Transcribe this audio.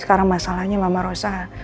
sekarang masalahnya mama rosa